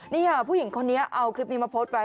นี่ค่ะผู้หญิงคนนี้เอาคลิปนี้มาโพสต์ไว้